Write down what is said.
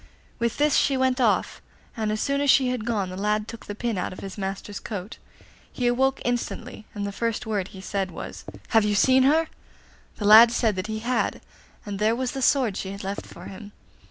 With this she went off, and as soon as she had gone the lad took the pin out of his master's coat. He awoke instantly, and the first word he said was, 'Have you seen her?' The lad said that he had, and there was the sword she had left for him.